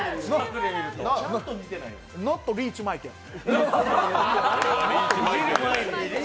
ノット・リーチ・マイケル。